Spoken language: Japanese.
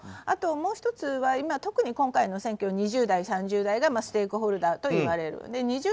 あと、もう１つは今、特に今回の選挙は２０代、３０代がステークホルダーといわれる。